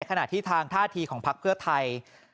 ขณะที่ทางท่าทีของพักเพื่อไทย